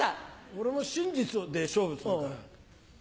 俺も真実で勝負するから。